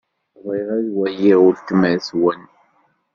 Bɣiɣ ad waliɣ weltma-twen.